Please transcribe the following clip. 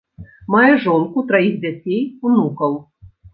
Мае жонку, траіх дзяцей, унукаў.